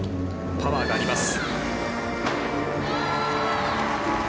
パワーがあります。